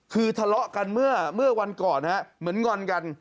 คือทะเลาะกันเมื่อวันก่อนเหมือนงอนกัน